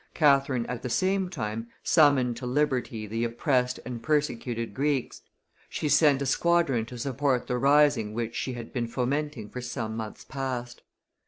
Catherine at the same time summoned to liberty the oppressed and persecuted Greeks; she sent a squadron to support the rising which she had been fomenting for some months past.